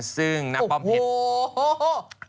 ซึ่งนักป้อมเผ็ด